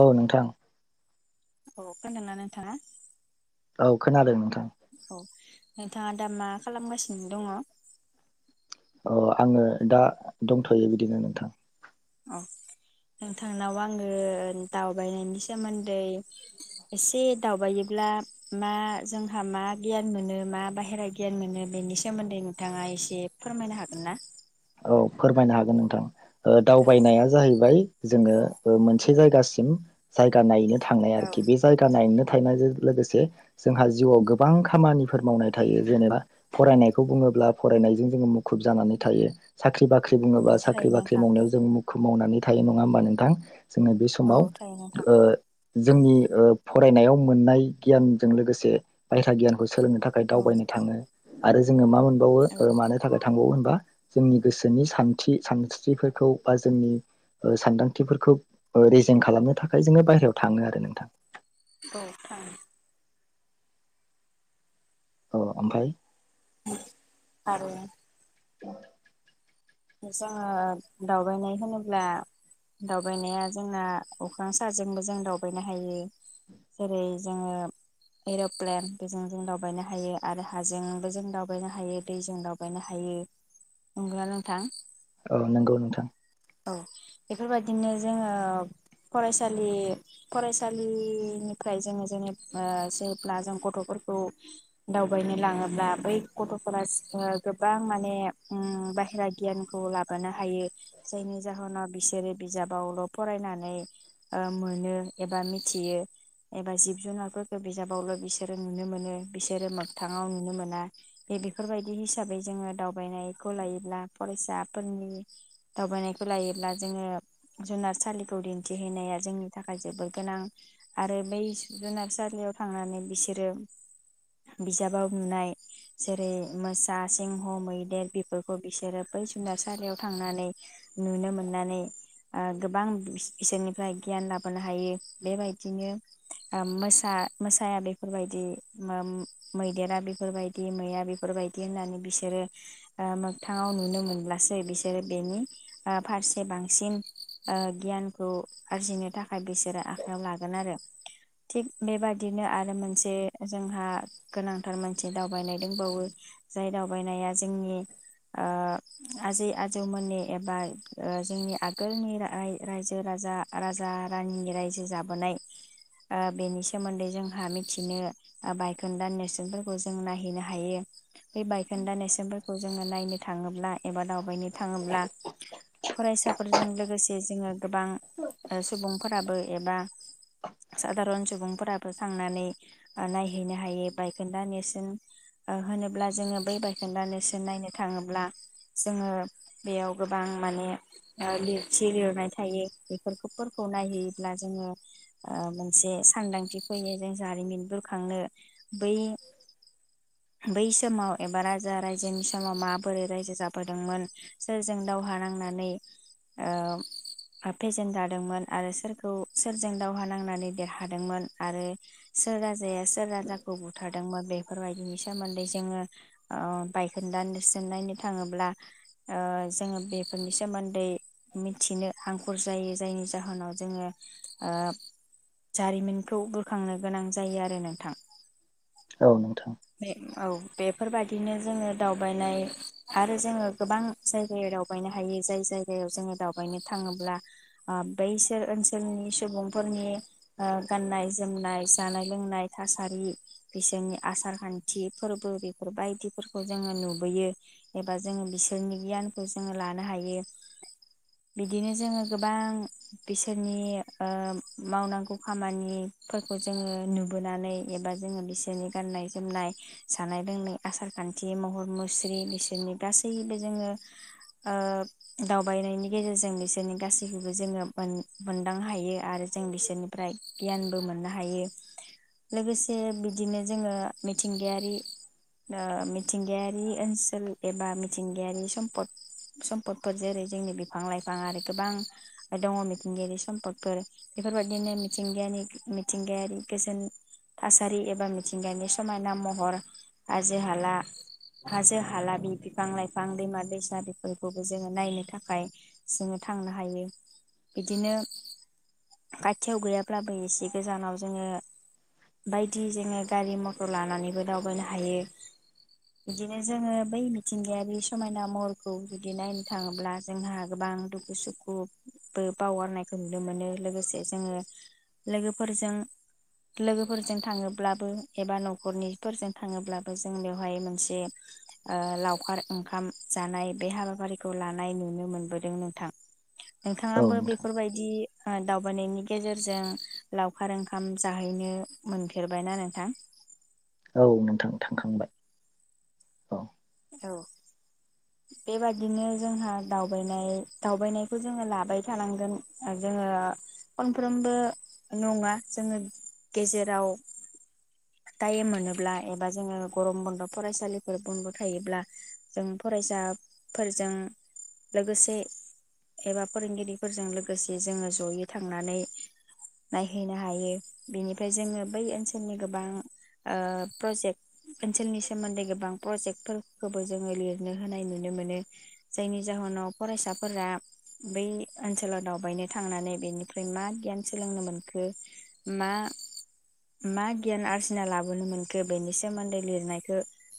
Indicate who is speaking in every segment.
Speaker 1: औ नोंथां
Speaker 2: अ खोनाना नोंथाङा
Speaker 1: औ खोनादों नोंथां
Speaker 2: औ नोंथाङा दा मा खालामगासिनो दङ
Speaker 1: अ आङो दा दंथ'यो बिदिनो नोंथां
Speaker 2: अ नोंथांनाव आङो दावबायनायनि सोमोन्दै एसे दावबायोब्ला मा जोंहा मा गियान मोनो मा बाहेरा गियान मोनो बेनि सोमोन्दै नोंथाङा एसे फोरमायनो हागोन ना
Speaker 1: औ फोरमायनो हागोन नोंथां ओ
Speaker 2: औ
Speaker 1: दावबायनाया जाहैबाय जोङो
Speaker 2: औ
Speaker 1: ओ मोनसे बे जायगासिम जायगा नायनो थांनाय
Speaker 2: औ
Speaker 1: आरोखि बे जायगा नायनो थानायजों लोगोसे जोंहा जिउआव गोबां खामानिफोर मावनाय थायो जेनेबा फरायनायखौ बुङोब्ला फरायनायजों जोङो मुखुब जानानै थायो साख्रि बाख्रि
Speaker 2: औ
Speaker 1: बुङोबा साख्रि
Speaker 2: थायो
Speaker 1: बाख्रि
Speaker 2: नोंथां
Speaker 1: मावनायाव जों मुं खौ मावनानै थायो नङा होमबा नोंथां जोङो बे
Speaker 2: औ
Speaker 1: समाव
Speaker 2: थायो नोंथां
Speaker 1: ओ
Speaker 2: औ
Speaker 1: जोंनि ओ फरायनायाव मोननाय गियानजों लोगोसे अरायथा गियानखौ सोलोंनो थाखाय
Speaker 2: औ
Speaker 1: दावबायनो थाङो आरो जोङो मा मोन मोनबावो
Speaker 2: औ
Speaker 1: ओ मानो थाखाय थांबावो होनबा जोंनि गोसोनि सानथि सानस्रिफोरखौ बा जोंनि ओ सानदांथिफोरखौ ओ रेजें खालामनो थाखाय जोङो बाहेरायाव थाङो आरो नोंथां
Speaker 2: औ थाङो
Speaker 1: अ ओमफ्राय
Speaker 2: आरो
Speaker 1: [inaudible]
Speaker 2: जोङो दावबायनाय होनोब्ला दावबायनाया जोंना अख्रां साजोंबो जों दावबायनो हायो जेरै जोङो एर'प्लेन बेजों जों दावबायनो हायो आरो हाजोंबो जों दावबायनो हायो दैजों दावबायनो हायो नोगौना नों थां
Speaker 1: औ नोंगौ नोंथां
Speaker 2: औ बेफोरबायदिनो जोङो फरायसालि फरायसालिनिफ्राय जोङो जेनेबा जेब्ला जों गथ'फोरखौ दावबायनो लाङोब्ला बै गथ'फोरा ओ गोबां माने बाहेरा गियानखौ लाबोनो हायो जायनि जाहोनाव बिसोरो बिजाबावल' फरायनानै ओ मोनो एबा मिथियो एबा जिब जुनारफोरखौ बिजाबावल' बिसोरो नुनो मोनो बिसोरो मोगथाङाव नुनो मोना बे बेफोरबायदि हिसाबै जोङो दावबायनायखौ लायोब्ला फरायसाफोरनि दावबायनायखौ लायोब्ला जोङो जुनारसालिखौ दिन्थिहैनाया जोंनि थाखाय जोबोद गोनां आरो बै जुनारसालियाव थांनानै बिसोरो बिजाबाव नुनाय जेरै मोसा सिह' मैदेर बेफोरखौ बिसोरो बै जुनारसालियाव थांनानै नुनो मोननानै ओ गोबां बि बिसोरनिफ्राय गियान लाबोनो हायो बेबायदिनो ओ मोसा मोसाया बेफोरबायदि मोम मैदेरा बेफोरबायदि मैया बेफोरबायदि होननानै बिसोरो ओ मोगथाङाव नुनो मोन मोनब्लासो बिसोरो बेनि फारसे बांसिन ओ गियानखौ आरजिनो थाखाय बिसोरो आखायाव लागोन आरो थिग बेबादिनो आरो मोनसे जोंहा गोनांथार मोनसे दावबायनाय दंबावो जाय दावबायनाया जोंनि ओ आजै आजौमोननि एबा ओजोंनि आगोलनि रायजो राजा राजा रानिनि रायजो जाबोनाय ओ बेनि सोमोन्दै जोंहा मिथिनो बायखोन्दा नेरसोनफोरखौ जों नायहैनो हायो बे बायखोन्दा नेरसोनफोरखौ जोङो नायनो थाङोब्ला एबा दावबायनो थाङोब्ला फरायसाफोरजों लोगोसे जोङो गोबां ओ सुबुंफोराबो एबा सादारन सुबुंफोराबो थांनानै ओ नायहैनो हायो बायखोन्दा नेरसोन ओ होनोब्ला जोङो बै बायखोन्दा नेरसोन नायनो थाङोब्ला जोङो बेयाव गोबां माने ओ लिरथि लिरनाय थायो। बेफोरखौफोरखौ नायहैयोब्ला जोङो ओ मोनसे सानदांथि फैयो जों जारिमिन बुरखांनो बै बै समाव एबा राजा-रायजोनि समाव माबोरै रायजो [unintelligible] बोदोंमोन सोरजों दावहा नांनानै ओ फेजेन जादोंमोन आरो सोरखौ सोरजों दावहा नांनानै देरहादोंमोन आरो सोर राजाया सोर राजाखौ बुथारदोंमोन बेफोरबायदिनि सोमोन्दै जोङो ओ बायखोन्दा नेरसोन नायनो थाङो [unintelligible] ओ जोङो बेफोरनि सोमोन्दै मिथिनो हां [unintelligible] खुर जायो जायनि जाहोनाव जोङो ओ जारिमिनखौ बुरखांनो गोनां जायो आरो नोंथां।
Speaker 1: औ नोंथां
Speaker 2: बे औ। बेफोरबायदिनो जोङो दावबायनाय आरो जोङो गोबां जायगायाव दावबायनो हायो जाय जायगायाव जोङो दावबायनो थाङोब्ला ओ बैसोर ओनसोलनि सुबुंफोरनि गाननाय-जोमनाय, जानाय- लोंनाय, थासारि बिसोरनि आसार-खान्थि फोरबो बेफोरबायदिफोरखौ जोङो नुबोयो। एबा जोङो बिसोरनि गियानखौ जोङो लानो हायो। बिदिनो जोङो गोबां बिसोरनि ओ मावनांगौ खामानिफोरखौ जोङो नुबोनानै एबा जोङो बिसोरनि गाननाय-जोमनाय, जानाय-लोंनाय आसार-खान्थि महर-मुस्रि [unintelligible] सोरनि गासैबो जोङो ओ दावबायनायनि गेजेरजों बिसोरनि गासैखौबो जोङो मोन-मोनदांनो हायो आरो जों बिसोरनिफ्राय गियानबो मोननो हायो। लोगोसे बिदिनो जोङो मिथिंगायारि ओ मिथिंगायारि ओनसोल एबा मिथिंगायारि सम्फद सम्फदफोर जेरै जोंनि बिफां-लाइफां आरो गोबां दङ मिथिंगायारि सम्पदफोर। बेफोरबायदिनो मिथिंगारि मिथिंगायारि गोजोन थासारि एबा मिथिंगानि समायना महर हाजो- हाला, हाजो-हाला बि बिफां-लाइफां दैमा-दैसा बेफोरखौबो जोङो नायनो थाखाय जोङो थांनो हायो। बिदिनो खाथियाव गैयाब्लाबो एसे गोजानाव जोङो बायदि जोङो गारि मथर लानानैबो दावबायनो हायो बिदिनो जोङो बै मिथिंगायारि समायना महरखौ जुदि नायनो थाङोब्ला जोंहा गोबां दुखु-सुखुबो बावगारनायखौ नुनो मोनो लोगोसे जोङो लोगोफोरजों लोगोफोरजों थाङोब्लाबो एबा न'खरनिफोरजों थाङोब्लाबो जों बेवहाय मोनसे ओ लावखार ओंखाम जानाय बे हाबाफारिखौ लानाय नुनो मोनबोदों नोंथां।
Speaker 1: औ
Speaker 2: नोंथाङाबो
Speaker 1: नोंथां
Speaker 2: बेफोरबायदि दावबायनायनि गेजेरजों लावखार ओंखाम जाहैनो मोनफेरबायना नोंथां?
Speaker 1: औ नोंथां थांखांबाय औ।
Speaker 2: औ बेबादिनो जोंहा दावबायनाय दावबायनायखौ जोङो लाबाय थानांगोन जोङो फनफ्रोमबो नङा जोङो गेजेराव टाइम मोनोब्ला एबा जोङो गरम बन्द' फरायसालिफोर बन्द' थायोब्ला जों फरायसाफोरजों लोगोसे एबा फोरोंगिरिफोरजों लोगोसे जोङो जयै थांनानै नायहैनो हायो बेनिफ्राय जोङो बै ओनसोलनि गोबां ओ प्रजेक्ट ओनसोलनि सोमोन्दै गोबां प्रजेक्ट फोरखौबो जोङो लिरनो होनाय नुनो मोनो जायनि जाहोनाव फरायसाफोरा बै ओनसोलाव दावबायनो थांनानै बेनिफ्राय मा गियान सोलोंनो मोनखो मा मा गियान आरजिना लाबोनो मोनखो बेनि सोमोन्दै लिरनायखौ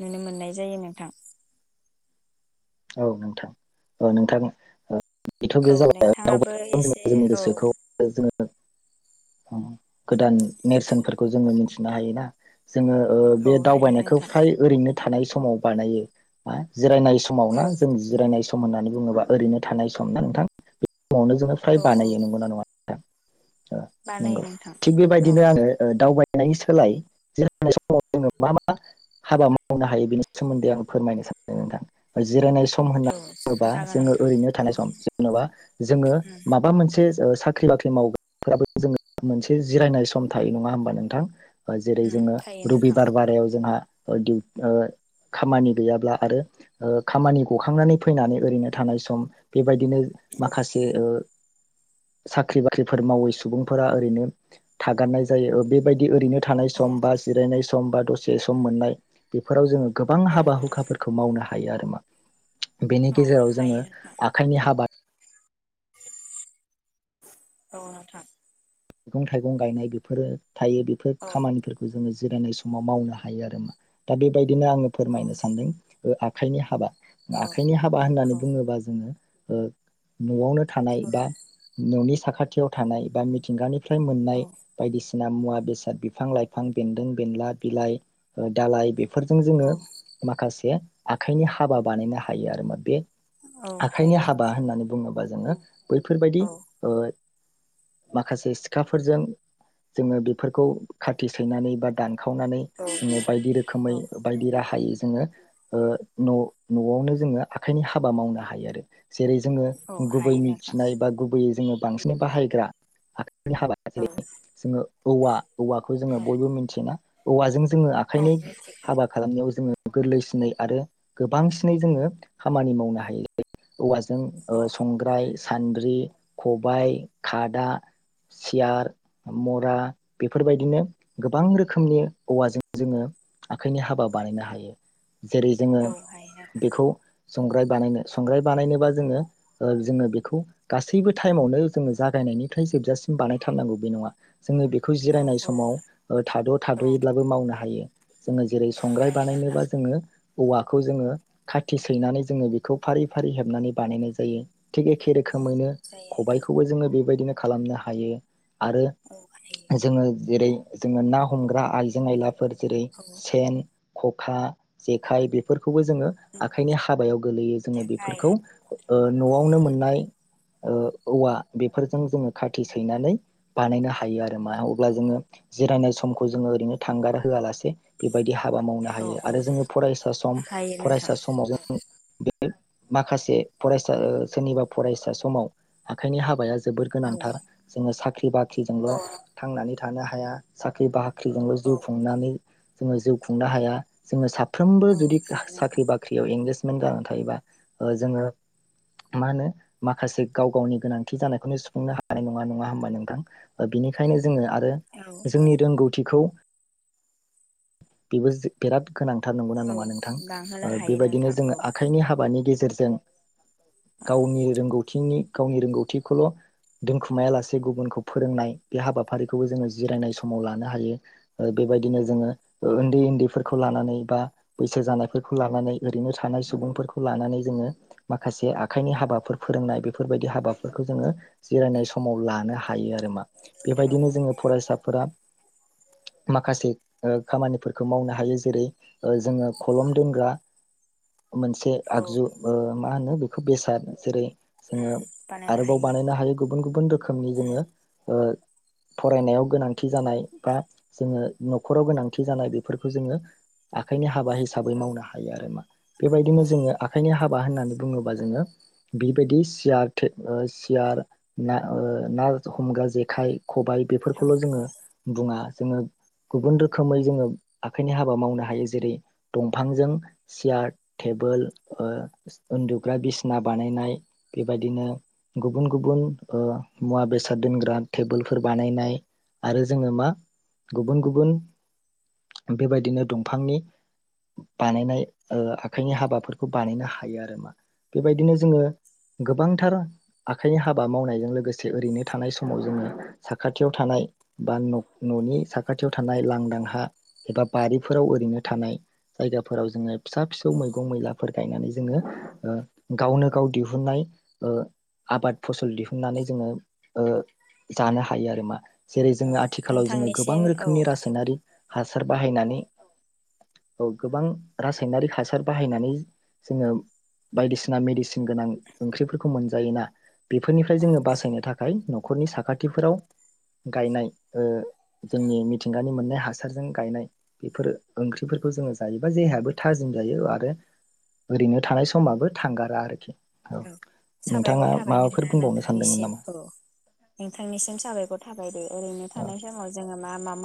Speaker 2: नुनो मोननाय जायो नोंथां।
Speaker 1: औ नोंथां औ नोंथां ओ। बेथ' बे
Speaker 2: औ
Speaker 1: जाबाय
Speaker 2: नोंथाङाबो एसे
Speaker 1: जोंनि
Speaker 2: औ
Speaker 1: गोसोखौ जोङो गोदान नेरसोनफोरखौ जोङो मिथिनो हायोना? जोङो बे
Speaker 2: औ हायो
Speaker 1: दावबायनायखौ
Speaker 2: नोंथां
Speaker 1: फ्राय ओरैनो थानाय समाव बानायो बा जिरायनाय समाव ना
Speaker 2: औ
Speaker 1: जों जिरायनाय सम होननानै बुङोबा ओरैनो थानाय सम ना नोंथां। समावनो जोङो फ्राय
Speaker 2: औ औ
Speaker 1: बानायो नंगौ नना नङा? [unintelligible]
Speaker 2: बानायो
Speaker 1: नंगौ
Speaker 2: नोंथां
Speaker 1: थिग
Speaker 2: औ
Speaker 1: बेबायदिनो आङो दावबाय गनायनि सोलाय जानाय समाव जोङो मा मा हाबा मावनो हायो बेनि सोमोन्दै आं फोरमायनो सानदों नोंथां। बा जिरायनाय सम सम होनना
Speaker 2: औ
Speaker 1: बुङोबा
Speaker 2: जागोन
Speaker 1: जोङो
Speaker 2: नोंथां
Speaker 1: ओरैनो
Speaker 2: औ
Speaker 1: थानाय सम जेन'बा जोङो
Speaker 2: उम
Speaker 1: माबा मोनसे साख्रि बाख्रि मावग्राफ्राबो जों मोनसे जिरायनाय सम थायो नङा होमबा नोंथां? जेरै
Speaker 2: उम
Speaker 1: जोङो
Speaker 2: थायो नोंथां
Speaker 1: रबिबार बारायाव जोंहा ओ दि खामानि गैयाब्ला आरो खामानि गखांनानै फैनानै ओरैनो थानाय सम बे बेबायदिनो
Speaker 2: औ
Speaker 1: माखासे ओ साख्रि बाख्रिफोर मावै सुबुंफोरा ओरैनो थागारनाय जायो बेबायदि ओरैनो थानाय
Speaker 2: औ
Speaker 1: समबा जिरायनाय समबा दसे सम मोननाय बेफोराव जोङो गोबां
Speaker 2: औ
Speaker 1: हाबा हुखाफोरखौ मावनो हायो हायो आरोमा बेनि
Speaker 2: औ
Speaker 1: गेजेराव जोङो
Speaker 2: हायो नोंथां
Speaker 1: आखाइनि हाबा
Speaker 2: औ नोंथां
Speaker 1: मैगं थाइगं गायनाय बेफोरो थायो बेफोर
Speaker 2: औ
Speaker 1: खामानिफोरखौ जोङो जिरायनाय समाव मावनो हायो आरोमा दा बेबायदि बिदिनो आङो
Speaker 2: औ
Speaker 1: फोरमायनो सानदों आखाइनि हाबा
Speaker 2: औ
Speaker 1: आखाइनि हाबा होननानै बुङोबा जोङो ओ न'आवनो थानाय
Speaker 2: औ
Speaker 1: बा न'नि साखाथि खाथियाव थानाय बा थिंगानि फ्राय मोननाय
Speaker 2: औ
Speaker 1: बायदिसिना बायदिसिना मुवा बेसाद बिफां लाइफां बेन्दों बेनला बिलाइ दालाइ फोरजों जोङो
Speaker 2: औ
Speaker 1: माखासे आखाइनि हाबा बानायनो हायो आरो मा। बे
Speaker 2: औ
Speaker 1: आखाइनि
Speaker 2: हायो
Speaker 1: हाबा होननानै बुङोबा जोङो बैफोर बायदि
Speaker 2: औ
Speaker 1: ओ माखासे सिखाफोरजों जोङो बेफोरखौ खाथि सैनानै बा दान खावनानै
Speaker 2: औ
Speaker 1: जोङो बायदि रोखोमै
Speaker 2: औ
Speaker 1: बायदि राहायै जोङो ओ न' न'आवनो जोङो आखाइनि हाबा मावनो हायो आरो। जेरै जोङो
Speaker 2: औ
Speaker 1: गुबै
Speaker 2: हायो नोंथां
Speaker 1: मिथिनाय बा गुबैयै जोङो बांसिन बाहाय आरो हाबाया
Speaker 2: औ
Speaker 1: जेरै जोङो औवा औवाखौ जोङो
Speaker 2: औ
Speaker 1: बयबो मिथियोना औवाजों जों जोङो
Speaker 2: औ
Speaker 1: आखाइनि
Speaker 2: मिथिगौ
Speaker 1: हाबा खालामनायाव जोङो गोरलैसिनै आरो गोबांसिनै जोङो खामानि मावनो हायो। औवाजों जों ओ
Speaker 2: औ
Speaker 1: संग्राय सानद्रि, खबाइ, खा दा, सियार, मुरा बेफोरबायदिनो गोबां रोखोमनि औवाजों जोङो आखाइनि हाबा बानायनो हायो। जेरै जोङो
Speaker 2: औ हायो नोंथां
Speaker 1: बेखौ संग्राय बानायनो संग्राय बानायनोबा जोङो ओ जोनो बेखौ गासैबो टाइमावनो जोङो जागायनायनि फ्राय जोबजासिम बानायथारनांगौ बे नङा जोङो बेखौ
Speaker 2: औ
Speaker 1: जिरायनाय समाव
Speaker 2: औ
Speaker 1: थाद'
Speaker 2: औ
Speaker 1: थाद'यैब्लाबो मावनो हायो। जोङो जेरै संग्राय
Speaker 2: हायो नोंथां
Speaker 1: बानायनोबा जोङो औवाखौ जोङो खाथि सैनानै जोङो बेखौ फारि फारि हेबनानै बानायनाय जायो‌। थिग एखे
Speaker 2: औ
Speaker 1: रोखोमैनो
Speaker 2: जायो नोंथां
Speaker 1: खबाइखौबो जोङो बेबायदिनो खालामनो हायो। आरो
Speaker 2: औ हायो
Speaker 1: जोङो जेरै जोङो ना हमग्रा आइजें आयलाफोर जेरै
Speaker 2: औ
Speaker 1: सेन खखा, जेखाइ बेफोर खौबो जोङो आखाइनि हाबायाव गोलैयो जोङो
Speaker 2: जेखाय
Speaker 1: बेफोरखौ न'आवनो मोननाय ओ औवा बेफोरजों जोङो खाथि सैनानै बानायनो हायो आरो मा अब्ला जोङो जिरायनाय समखौ जोङो ओरैनो थांगार होआलासे बेबायदि हाबा मावनो
Speaker 2: औ
Speaker 1: हायो
Speaker 2: औ
Speaker 1: आरो जोङो फरायसा सम
Speaker 2: हायो नोंथां
Speaker 1: फरायसा समाव जों माखासे फरायसा सोरनिबा फरायसा समाव आखाइनि हाबाया जोबोर गोनां
Speaker 2: औ
Speaker 1: थार जोङो साख्रि बाख्रिजोंल'
Speaker 2: औ
Speaker 1: थांनानै था थानो हाया साख्रि बा बाख्रिजोंल'
Speaker 2: औ
Speaker 1: जिउ खुंनानै जोङो जिउ खुंनो हाया जोङो सा फ्रोमबो
Speaker 2: औ
Speaker 1: जुदि
Speaker 2: हायो नोंथां
Speaker 1: साख्रि बाख्रियाव इंगेस [inaudible] थायोबा जोङो मा होनो माखासे गाव-गावनि गोनांथि जानायखौनो सुफुंनो हा हानाय नङा नङा होमबा नोंथां बेनिखायनो जोङो आरो
Speaker 2: औ औ
Speaker 1: जोंनि रोंगौथिखौ बिबो बिराद गोनांथार नंगौ ना
Speaker 2: औ
Speaker 1: नङा नोंथां
Speaker 2: बांहोनो हायो
Speaker 1: बेबायदिनो
Speaker 2: नोंथां
Speaker 1: जोङो
Speaker 2: औ
Speaker 1: आखाइनि हाबानि गेजेर गेजेरजों
Speaker 2: औ
Speaker 1: गावनि रोंगौथिनि गावनि रोंगौथिखौल' दोनखुमायालासे गुबुनखौ फोरोंनाय बे हाबाफारिखौबो जोङो जिरायनाय समाव लानो हायो बेबायदिनो जोङो उन्दै-उन्दैफोरखौ लानानै बा बैसो जानायफोरखौ लानानै ओरैनो थानाय सुबुंफोरखौ लानानै जोङो माखासे आखाइनि हाबाफोर फोरोंनाय बेफोरबायदि हाबाफोरखौ जोङो जिरायनाय समाव लानो हायो आरो।
Speaker 2: औ
Speaker 1: बेबायदिनो जोङो फरायसाफोरा माखासे खामानिफोरखौ मावनो हायो जेरै जोङो खलम दोनग्रा मोनसे
Speaker 2: औ
Speaker 1: आगजु ओ मा होनो बेखौ बेसाद जेरै जोङो आरोबाव बानायनो हायो गुबुन गुबुन रोखोमनि
Speaker 2: औ
Speaker 1: जोङो ओ फरायनायाव गोनांथि जानाय बा जोङो न'खराव गोनांथि जानाय बेफोरखौ जोङो आखाइनि हाबा हिसाबै
Speaker 2: औ
Speaker 1: मावनो हायो आरो मा बेबायदिनो
Speaker 2: औ
Speaker 1: जोङो आखाइनि हाबा बा होननानै बुङोबा जोङो बिबायदि सिया थे ओ सियार ना-ना हमग्रा जेखाइ खबाइ
Speaker 2: औ
Speaker 1: बेफोरखौल' जोङो बुङा। जोङो गुबुन रोखोमै जोङो आखाइनि हाबा मावनो हायो। जेरै दंफांजों सियार टेबोल उन्दुग्रा बिसिना बानायनाय बेबायदिनो गुबुन गुबुन ओ मुवा बेसाद दोनग्रा टेबोलफोर बानायनाय आरो जोङो मा गुबुन गुबुन बेबायदिनो दंफांनि बानायनाय ओ आखाइनि हाबाफोरखौ बानायनो हायो आरो मा बेबायदिनो जोङो गोबांथार आखाइनि हाबा मावनाय जों लोगोसे ओरैनो थानाय समाव जोङो साखाथियाव थानाय बा न' न'नि साखाथियाव थानाय लांदां हा एबा बारिफोराव ओरैनो थानाय जायगाफोराव जोङो फिसा फिसौ
Speaker 2: औ
Speaker 1: मैगं मैलाफोर गायनानै जोङो ओ गावनो गाव दिहुननाय ओ आबाद फसल दिहुन। ननानै जोङो ओ जानो हायो आरो मा। जेरै जोङो आथिखालाव जोङो गोबां
Speaker 2: नोंथांनिसिम औ
Speaker 1: रोखोमनि रासायनारि हासार बाहायनानै औ गोबां रासायनारिक हासार बाहायनानै जोङो बायदिसिना मेडिसिन गोनां ओंख्रिफोरखौ मोनजायोना बे। फोरनिफ्राय
Speaker 2: औ
Speaker 1: जोङो बासायनो थाखाय न'खरनि साखाथिफोराव गायनाय ओ जोंनि मिथिंगानि मोननाय हासारजों गायनाय बेफोर ओंख्रिफोरखौ जोङो जायोबा जेहायाबो थाजिम जायो आरो ओरैनो थानाय समाबो थांगारा आरोखि औ।
Speaker 2: साबायखर
Speaker 1: नोंथाङा
Speaker 2: थाबाय नों
Speaker 1: माबाफोर
Speaker 2: आ
Speaker 1: बुंबावनो सानदोंमोन
Speaker 2: नोंथांनिसिम
Speaker 1: नामा?
Speaker 2: औ नोंथांनिसिम साबायखर थाबाय दे ओरैनो थानाय समाव जोङो मा मा माव